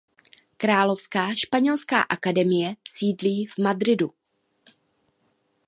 Královská španělská akademie sídlí v Madridu.